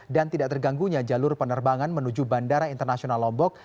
dan tidak terganggunya jalur penerbangan menuju bandara internasional lombok